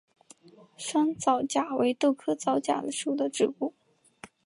山皂荚为豆科皂荚属的植物。